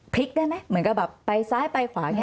ได้ไหมเหมือนกับแบบไปซ้ายไปขวาอย่างนี้